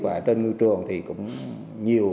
và trên nơi trường thì cũng nhiều